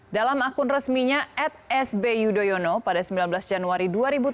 dalam akun resminya at sb yudhoyono pada sembilan belas januari dua ribu tujuh belas